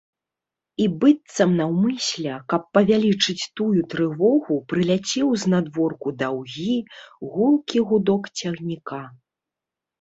І быццам наўмысля, каб павялічыць тую трывогу, прыляцеў знадворку даўгі, гулкі гудок цягніка.